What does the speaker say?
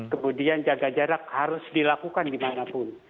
kemudian jaga jarak harus dilakukan dimanapun